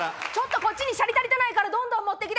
こっちにシャリ足りてないからどんどん持って来て！